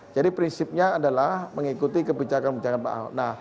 jadi prinsipnya adalah mengikuti kebijakan kebijakan pak ahok